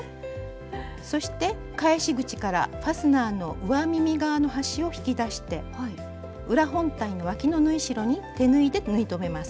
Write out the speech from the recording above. そして返し口からファスナーの上耳側の端を引き出して裏本体のわきの縫い代に手縫いで縫い留めます。